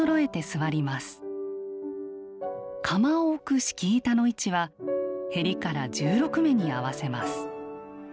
釜を置く敷板の位置は縁から１６目に合わせます。